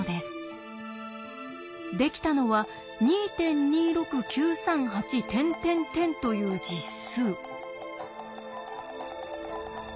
できたのは２．２６９３８という実数。